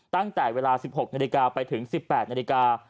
ตั้งแต่เวลา๑๖นาฬิกาไปถึง๑๘นาฬิกา